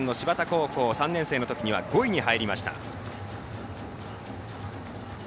高校３年生のときには５位に入りました。